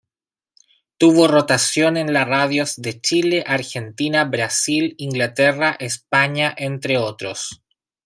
Tuvo rotación en la radios de Chile, Argentina, Brasil, Inglaterra, España, entre otros.